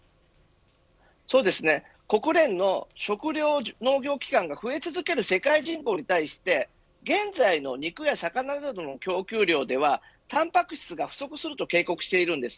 国連の食糧農業機関が増え続ける世界人口に対して現在の肉や魚などの供給量ではたんぱく質が不足すると警告しています。